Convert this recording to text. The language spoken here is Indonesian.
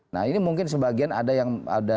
nah ini mungkin sebagian ada yang ada